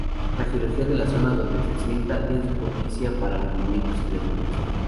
La geología de la zona donde se asienta es propicia para hundimientos y derrumbes.